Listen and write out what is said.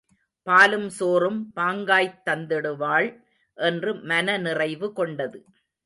பாலும் சோறும் பாங்காய்த் தந்திடுவாள் என்று மனநிறைவு கொண்டது.